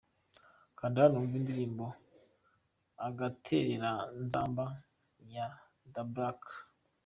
Kanda hano wumve indirimbo Agatereranzamba ya Da Black.